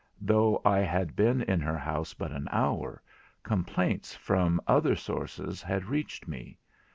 Though I had been in her house but an hour, complaints from other sources had reached me.